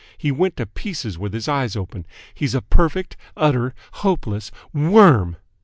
He went to pieces with his eyes open. He's a perfect, utter, hopeless WORM!"